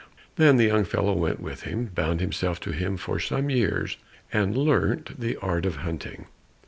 Then the young fellow went with him, bound himself to him for some years, and learnt the art of hunting.